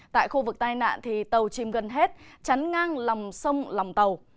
tại khu vực tai nạn thì tàu chìm gần hết chắn ngang lòng sông lòng tàu